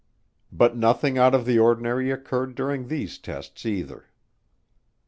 But nothing out of the ordinary occurred during these tests either.